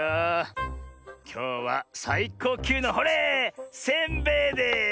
きょうはさいこうきゅうのほれせんべいです！